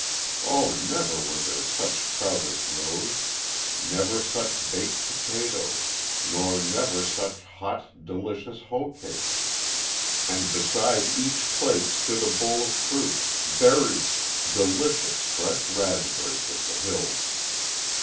Oh, never were there such trout as those, never such baked potatoes, nor never such hot, delicious hoecake. And beside each plate stood a bowl of fruit berries delicious fresh raspberries of the hills.